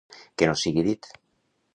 Que no sigui dit.